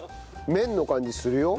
麺の感じする。